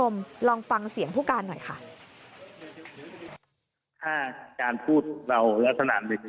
มีอาวุธอื่นอีกไหม